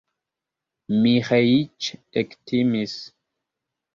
Miĥeiĉ ektimis.